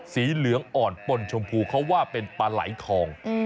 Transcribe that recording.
สีเหลืองอ่อนปนชมพูเขาว่าเป็นปลาไหลทอง